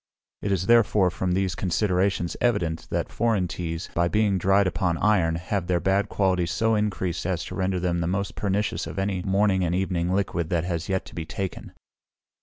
It is therefore, from these considerations, evident, that foreign teas, by being dried upon iron, have their bad qualities so increased as to render them the most pernicious of any morning and evening liquid that has yet been taken.